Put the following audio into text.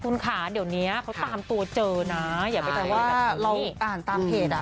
คุณขาเดี๋ยวเนี้ยเขาตามตัวเจอนะอย่าไปเจออะไรแบบนี้แต่ว่าเราอ่านตามเพจอ่ะ